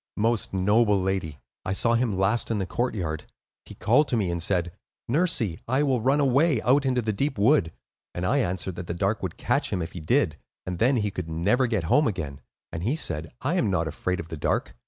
"Most noble lady, I saw him last in the courtyard. He called to me and said: 'Nursie, I will run away out into the deep wood;' and I answered that the Dark would catch him if he did, and then he could never get home again; and he said: 'I am not afraid of the Dark.